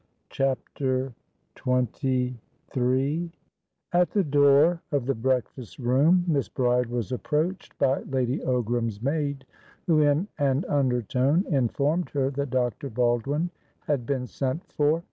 CHAPTER XXIII At the door of the breakfast room, Miss Bride was approached by Lady Ogram's maid, who in an undertone informed her that Dr. Baldwin had been sent for.